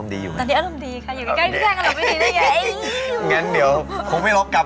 ตอนนี้อารมณ์ดีอยู่ไหมครับ